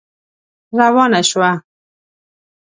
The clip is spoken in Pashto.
روانه شوه.